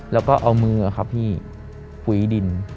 แล้วก็เอามือครับพี่ปุ๋ยดิน